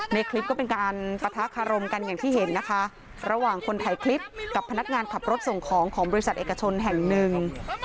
ในคลิปก็เป็นการปะทะคารมกันอย่างที่เห็นนะคะระหว่างคนถ่ายคลิปกับพนักงานขับรถส่งของของบริษัทเอกชนแห่งหนึ่ง